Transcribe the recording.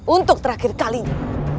untuk terakhir kali ini